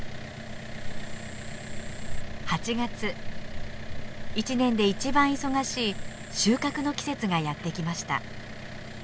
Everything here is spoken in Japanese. ８月一年で一番忙しい収穫の季節がやって来ました。